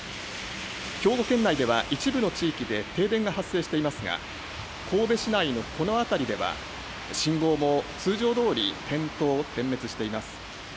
兵庫県内では一部の地域で停電が発生していますが、神戸市内のこの辺りでは信号も通常どおり点灯、点滅しています。